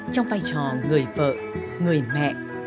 trong vai trò người vợ người mẹ